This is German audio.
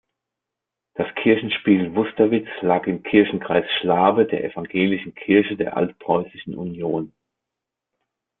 Das Kirchspiel Wusterwitz lag im Kirchenkreis Schlawe der evangelischen Kirche der Altpreußischen Union.